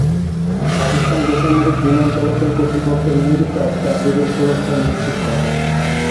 পাকিস্তান বেসামরিক বিমান চলাচল কর্তৃপক্ষের মূল কাজ যাত্রীদের সুরক্ষা নিশ্চিত করা।